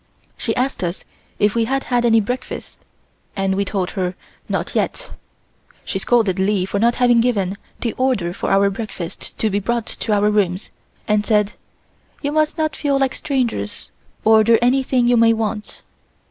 She asked us if we had had any breakfast and we told her not yet. She scolded Li for not having given the order for our breakfast to be brought to our rooms and said: "You must not feel like strangers, order anything you may want."